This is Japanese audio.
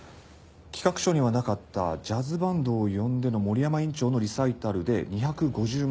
企画書にはなかったジャズバンドを呼んでの森山院長のリサイタルで２５０万。